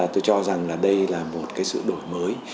tôi cho rằng đây là một sự đổi mới